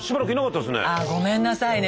ああごめんなさいね。